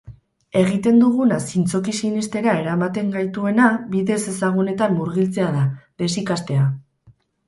Egiten duguna zintzoki sinestera eramaten gaituena bide ezezagunetan murgiltzea da, desikastea.